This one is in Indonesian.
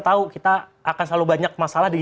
tahu kita akan selalu banyak masalah di